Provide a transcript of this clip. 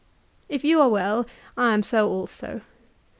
" If you are well, I am so also.